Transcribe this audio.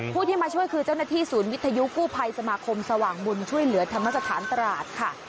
ผู้ที่มาช่วยคือเจ้าหน้าที่ศูนย์วิทยุกู้ภัยสมาคมสว่างบุญช่วยเหลือธรรมสถานตราดค่ะ